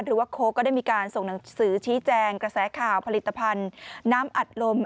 โค้กก็ได้มีการส่งหนังสือชี้แจงกระแสข่าวผลิตภัณฑ์น้ำอัดลม